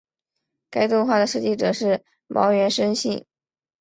该动画的设计者是茅原伸幸。